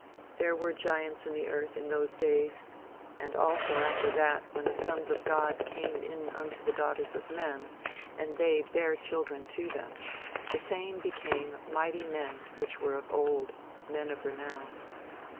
"There were giants in the earth in those days; and also after that when the sons of God came in unto the daughters of men, and they bare children to them, the same became mighty men which were of old, men of renown.